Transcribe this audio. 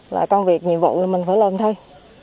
là công việc nhiệm vụ mình phải làm thôi